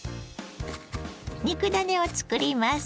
肉ダネを作ります。